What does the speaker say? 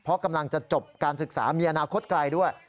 เพราะกำลังจะจบการศึกษามีอนาคตไกลด้วย